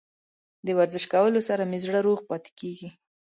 د ورزش کولو سره مې زړه روغ پاتې کیږي.